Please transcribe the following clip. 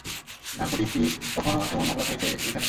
Narcotics কি কখনও এমন মামলা পেয়েছে যেখানে?